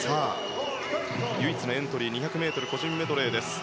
唯一のエントリー２００ｍ個人メドレーです。